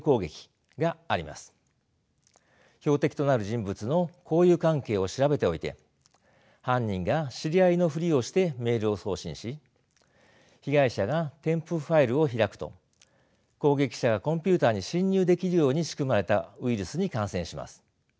標的となる人物の交友関係を調べておいて犯人が知り合いのふりをしてメールを送信し被害者が添付ファイルを開くと攻撃者がコンピューターに侵入できるように仕組まれたウイルスに感染します。